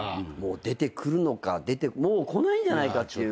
出てくるのか出てこないんじゃないかっていうぐらい。